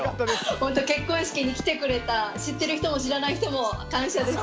本当結婚式に来てくれた知ってる人も知らない人も感謝です。